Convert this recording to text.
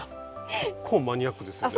結構マニアックですよね。